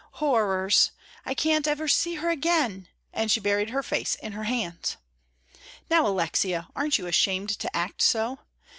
"Horrors! I can't ever see her again!" and she buried her face in her hands. "Now, Alexia, aren't you ashamed to act so?"